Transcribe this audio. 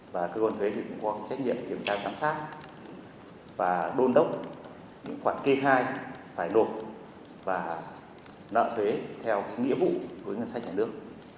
và cơ quan thuế cũng có trách nhiệm kiểm tra giám sát và đôn đốc những khoản kê khai phải nộp và nợ thuế theo nghĩa vụ với ngân sách nhà nước